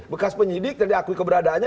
bekas penyidik jadi akui keberadaannya